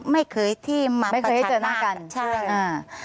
ไม่เคยที่มาประชาตาใช่ไม่เคยให้เจอหน้ากัน